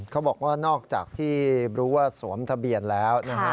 เขาบอกว่านอกจากที่รู้ว่าสวมทะเบียนแล้วนะฮะ